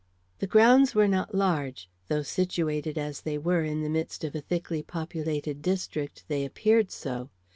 The grounds were not large, though, situated as they were in the midst of a thickly populated district, they appeared so.